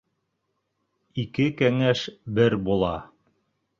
Ике кәңәш бер була